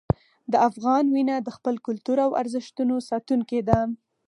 د افغان وینه د خپل کلتور او ارزښتونو ساتونکې ده.